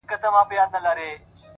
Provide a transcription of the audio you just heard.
نظم د بریا بنسټ دی’